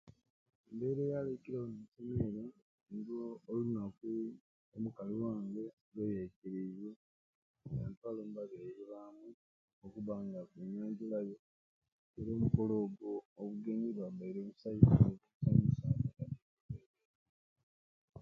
Embeera eyali eikireewo ninsemerwa nilwo olunaku omukali wange lweyaikirize nantwala ombabyaire bamwei okubanga akunyanjulayo era omukolo ogwo obugenyi bwabaire busai ninsanyuka era ninsemerwa.